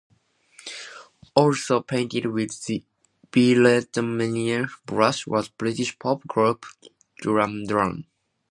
Also painted with the Beatlemania brush was British pop group Duran Duran.